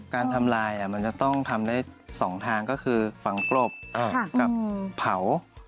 การทำลายมันจะต้องทำได้๒ทางก็คือฝังกลบกับเผา